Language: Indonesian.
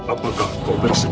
apakah kau bersyukur